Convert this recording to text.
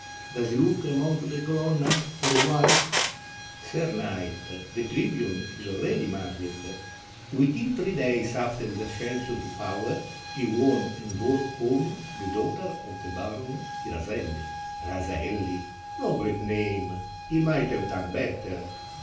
Does he look among the Colonna for a wife?" 46 THE RULE OF RIENZI "Sir knight, the tribune is already married; within three days after his ascension to power he won and bore home the daughter of the Baron di RaseUi." "RaselU! no great name; he might have done better."